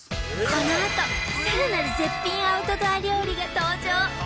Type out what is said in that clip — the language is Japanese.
このあと更なる絶品アウトドア料理が登場